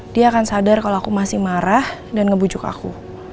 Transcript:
dia akan sadar kalau aku masih marah dan ngebujuk aku